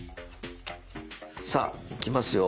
さあいきますよ。